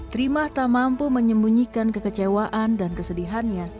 trimah tak mampu menyembunyikan kekecewaan dan kesedihannya